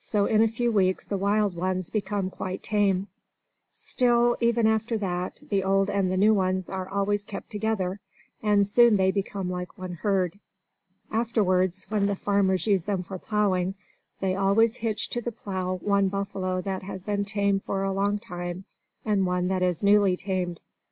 So in a few weeks the wild ones become quite tame. Still, even after that, the old and the new ones are always kept together, and soon they become like one herd. Afterwards, when the farmers use them for plowing, they always hitch to the plow one buffalo that has been tame for a long time, and one that is newly tamed.